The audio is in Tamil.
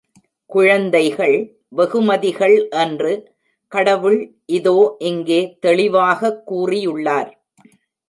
குழந்தைகள் வெகுமதிகள் என்று கடவுள் இதோ இங்கே தெளிவாக கூறியுள்ளார்.